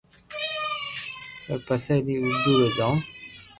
پر پسي بي اورو جو جوم